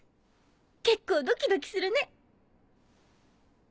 結構ドキドキするね！